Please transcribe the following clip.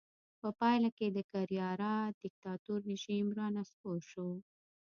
په پایله کې د کرېرارا دیکتاتور رژیم رانسکور شو.